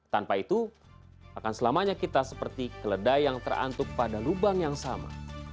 tanpa itu akan selamanya kita seperti keledai yang terantup pada lubang yang sama